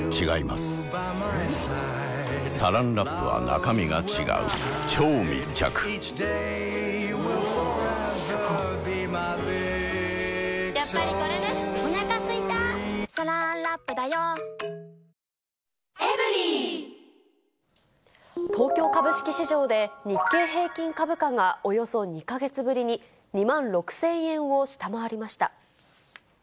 中国産がやっぱり、東京株式市場で、日経平均株価がおよそ２か月ぶりに、２万６０００円を下回りました。